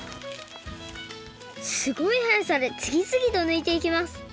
すごいはやさでつぎつぎとぬいていきます。